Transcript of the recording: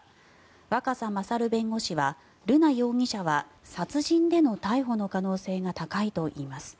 若狭勝弁護士は瑠奈容疑者は殺人での逮捕の可能性が高いといいます。